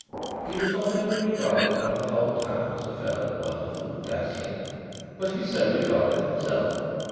He was not only regarded by the whole town as a fellow wonderful and dazzling, but he so regarded himself.